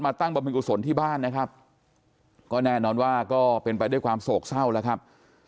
ตั้งบรรพิกุศลที่บ้านนะครับก็แน่นอนว่าก็เป็นไปด้วยความโศกเศร้าแล้วครับ